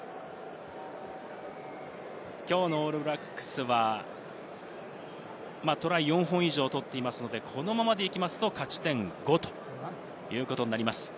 きょうのオールブラックスはトライ４本以上、取っていますので、このままでいくと勝ち点５ということになります。